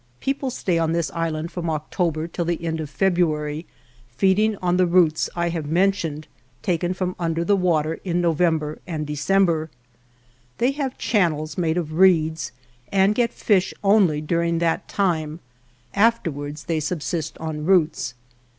People stay on this island from October till the end of February, feeding on the roots I have men tioned, taken from under the water in No vember and December. They have channels made of reeds and get fish only during that time ; afterwards they subsist on roots.